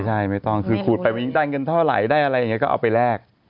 ใช่ไม่ต้องคือขูดไปมันยิ่งได้เงินเท่าไหร่ได้อะไรอย่างนี้ก็เอาไปแลก